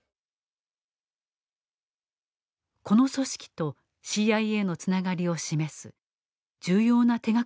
この組織とＣＩＡのつながりを示す重要な手がかりを入手した。